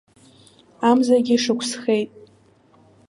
Амзагьы шықәсхеит!